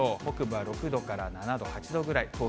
北部は６度から７度、８度ぐらい。